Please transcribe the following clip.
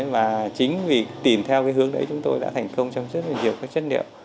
và chính vì tìm theo cái hướng đấy chúng tôi đã thành công trong rất là nhiều các chất liệu